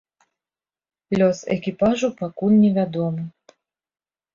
Лёс экіпажу пакуль невядомы.